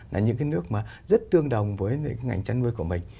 là những cái nước mà rất tương đồng với cái ngành chăn nuôi của mình